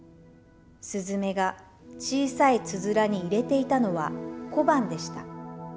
すずめが小さいつづらに入れていたのは小判でした。